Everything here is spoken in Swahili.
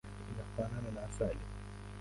Inafanana na asali.